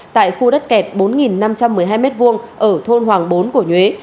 tại khu đất kẹt bốn nghìn năm trăm một mươi hai m hai ở thôn hoàng bốn cổ nhuế